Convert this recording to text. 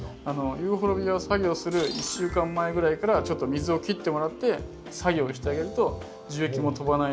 ユーフォルビアを作業する１週間前ぐらいからちょっと水を切ってもらって作業をしてあげると樹液も飛ばない